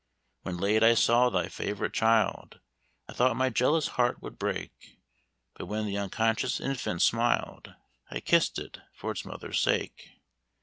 "When late I saw thy favorite child I thought my jealous heart would break; But when the unconscious infant smiled, I kiss'd it for its mother's sake.